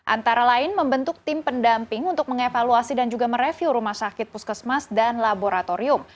antara lain membentuk tim pendamping untuk mengevaluasi dan juga mereview rumah sakit puskesmas dan laboratorium